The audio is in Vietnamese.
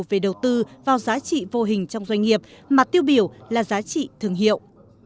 về đầu tư vào giá trị vô hình trong doanh nghiệp mà tiêu biểu là giá trị thương hiệu